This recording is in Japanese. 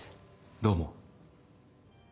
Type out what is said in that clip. どうも。